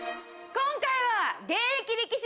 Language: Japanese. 今回は。